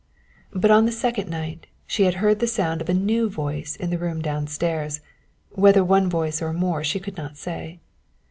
But on the second night she had heard the sound of a new voice in the room down stairs, whether one voice or more she could not say.